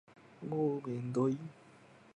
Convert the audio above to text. もうめんどい